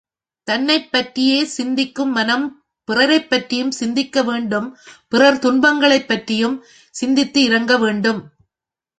தன்னைப் பற்றியே சிந்திக்கும் மனம் பிறரைப் பற்றியும் சிந்திக்க வேண்டும் பிறர் துன்பங்களைப் பற்றியும் சிந்தித்து இரங்க வேண்டும்.